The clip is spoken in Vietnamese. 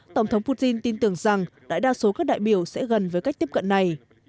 tổng thống putin tin tưởng rằng đại đa số các đại biểu sẽ gần với cách tiếp cận này